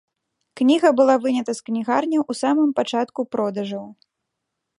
Кніга была вынята з кнігарняў у самым пачатку продажаў.